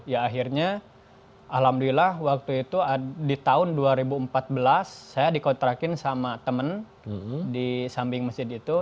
ya akhirnya alhamdulillah waktu itu di tahun dua ribu empat belas saya dikontrakin sama temen di samping masjid itu